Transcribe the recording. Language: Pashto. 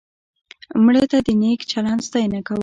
مړه ته د نیک چلند ستاینه کوو